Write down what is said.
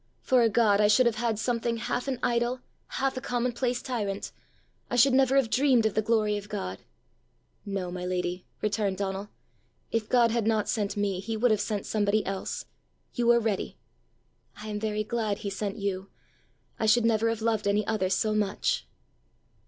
For a God, I should have had something half an idol, half a commonplace tyrant! I should never have dreamed of the glory of God!" "No, my lady!" returned Donal; "if God had not sent me, he would have sent somebody else; you were ready!" "I am very glad he sent you! I should never have loved any other so much!"